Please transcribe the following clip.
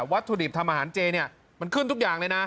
วัตถุดิบทำอาหารเจเนี่ยมันขึ้นทุกอย่างเลยนะ